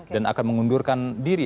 dan akan mengundurkan diri